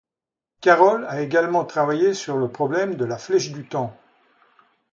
Carroll a également travaillé sur le problème de la flèche du temps.